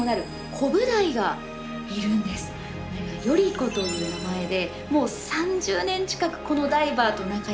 これが「頼子」という名前でもう３０年近くこのダイバーと仲よくしているんですね。